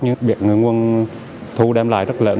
nhưng việc người nguồn thu đem lại rất lớn